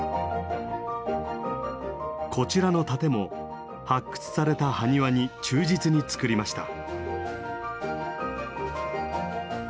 こちらの盾も発掘された埴輪に忠実に作りました。